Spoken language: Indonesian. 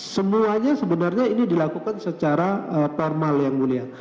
semuanya sebenarnya ini dilakukan secara formal yang mulia